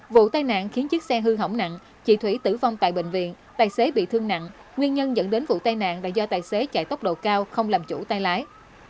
vụ tai nạn khiến chiếc xe hư hỏng nặng chị thủy tử vong tại bệnh viện tài xế bị thương nặng nguyên nhân dẫn đến vụ tai nạn là do tài xế chạy tốc độ cao không làm chủ tay lái